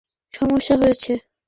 হেই, Clem, একটা সমস্যা হয়েছে!